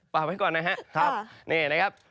ปากไว้ก่อนนะครับ